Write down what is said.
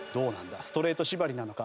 ストレート縛りなのか？